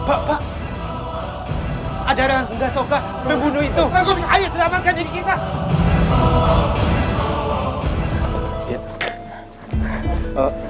ada yang nggak suka pembunuh itu ayo selamatkan diri kita